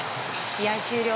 試合終了。